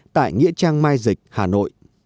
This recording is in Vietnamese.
tại nghĩa trang mai dịch hà nội